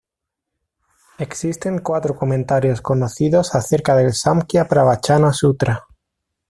Existen cuatro comentarios conocidos acerca del "Sāṁkhya-pravachana-sūtra:"